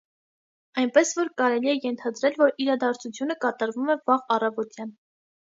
Այնպես որ, կարելի է ենթադրել, որ իրադարձությունը կատարվում է վաղ առավոտյան։